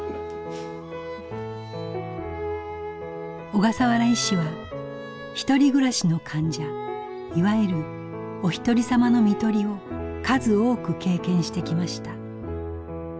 小笠原医師はひとり暮らしの患者いわゆる「おひとりさまの看取り」を数多く経験してきました。